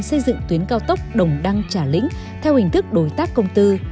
xây dựng tuyến cao tốc đồng đăng trả lĩnh theo hình thức đối tác công tư